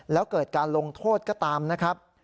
แล้วเกิดการลงโทษก็ตามนะครับ